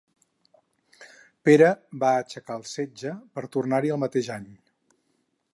Pere va aixecar el setge, per tornar-hi el mateix any.